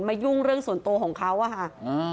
ยุ่งเรื่องส่วนตัวของเขาอะค่ะ